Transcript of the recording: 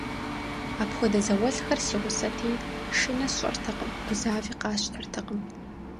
Апхуэдэ зауэлӀхэр си гъусэти, шынэ сщӀэртэкъым, гузави къасщтэртэкъым.